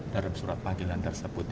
dari surat panggilan tersebut